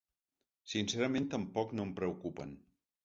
Sincerament tampoc no em preocupen.